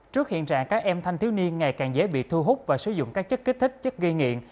trước hiện trạng các em thanh thiếu niên ngày càng dễ bị thu hút và sử dụng các chất kích thích chất ghi nghiện